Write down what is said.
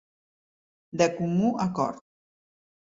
De comú acord.